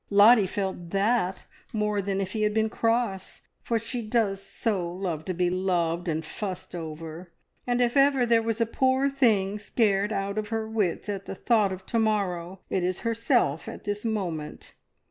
Lottie felt that more than if he had been cross, for she does so love to be loved and fussed over; and if ever there was a poor thing scared out of her wits at the thought of to morrow, it is herself at this moment.